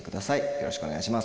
よろしくお願いします